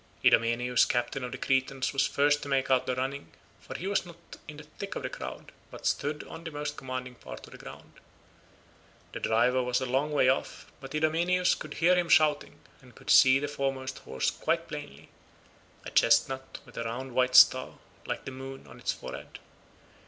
Idomeneus captain of the Cretans was first to make out the running, for he was not in the thick of the crowd, but stood on the most commanding part of the ground. The driver was a long way off, but Idomeneus could hear him shouting, and could see the foremost horse quite plainly—a chestnut with a round white star, like the moon, on its forehead.